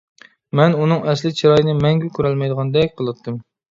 مەن ئۇنىڭ ئەسلى چىرايىنى مەڭگۈ كۆرەلمەيدىغاندەك قىلاتتىم.